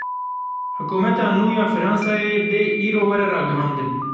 Hikûmeta nû ya Fransayê dê îro were ragihandin.